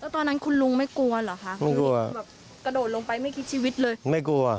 ตอนนั้นคุณลุงไม่กลัวเหรอคะคุณลุงแบบกระโดดลงไปไม่คิดชีวิตเลยไม่กลัว